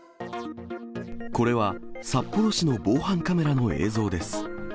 これは札幌市の防犯カメラの映像です。